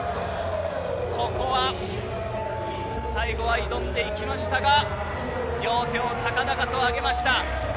ここは最後は挑んでいきましたが、両手を高々と上げました。